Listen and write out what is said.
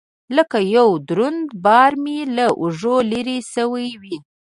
لكه يو دروند بار مې له اوږو لرې سوى وي.